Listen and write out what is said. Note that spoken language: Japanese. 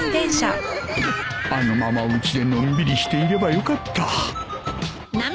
あのままうちでのんびりしていればよかった